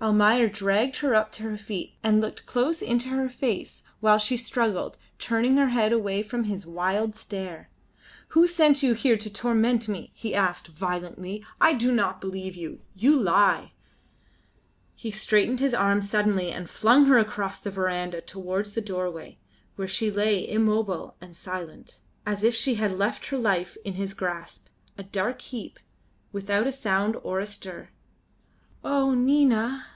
Almayer dragged her up to her feet and looked close into her face while she struggled, turning her head away from his wild stare. "Who sent you here to torment me?" he asked, violently. "I do not believe you. You lie." He straightened his arm suddenly and flung her across the verandah towards the doorway, where she lay immobile and silent, as if she had left her life in his grasp, a dark heap, without a sound or a stir. "Oh! Nina!"